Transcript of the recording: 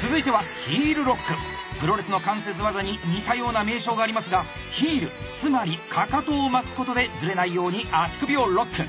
続いてはプロレスの関節技に似たような名称がありますがヒールつまりかかとを巻くことでずれないように足首をロック。